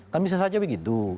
kan bisa saja begitu